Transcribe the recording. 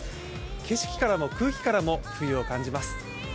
景色からも空気からも冬を感じます。